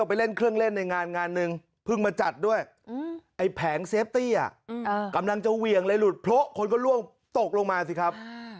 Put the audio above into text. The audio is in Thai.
เพราะคนก็ล่วงตกลงมาสิครับ